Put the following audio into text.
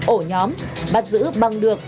ổ nhóm bắt giữ bằng được